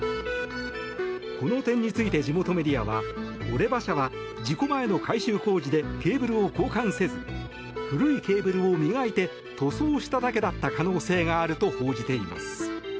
この点について地元メディアはオレバ社は事故前の改修工事でケーブルを交換せず古いケーブルを磨いて塗装しただけだった可能性があると報じています。